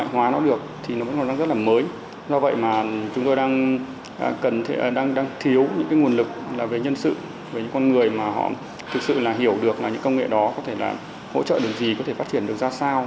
hỗ trợ được gì có thể phát triển được ra sao